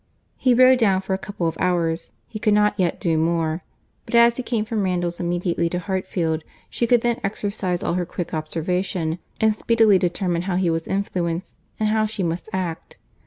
He rode down for a couple of hours; he could not yet do more; but as he came from Randalls immediately to Hartfield, she could then exercise all her quick observation, and speedily determine how he was influenced, and how she must act.